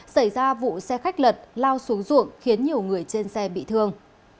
xảy ra vụ xe khách lật lao xuống ruộng khiến nhiều người trên xe bị thương